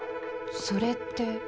それって